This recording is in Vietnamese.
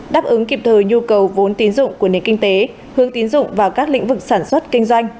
đáp ứng kịp thời nhu cầu vốn tín dụng của nền kinh tế hướng tín dụng vào các lĩnh vực sản xuất kinh doanh